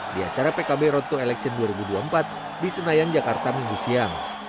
di acara pkb road to election dua ribu dua puluh empat di senayan jakarta minggu siang